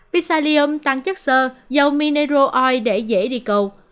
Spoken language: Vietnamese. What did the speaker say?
psyllium tăng chất sơ dầu mineral oil để dễ đi cầu